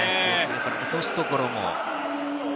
落とすところも。